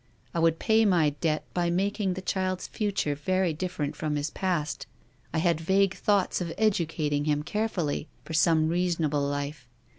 I would pay my debt by making the child's future very different from his past. I had vague thoughts of educating him carefully for some reasonable life.